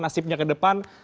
nasibnya ke depan